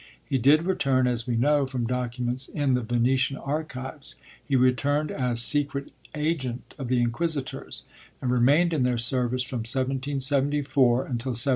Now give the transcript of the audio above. He did return, as we know from documents in the Venetian archives; he returned as secret agent of the Inquisitors, and remained in their service from 1774 until 1782.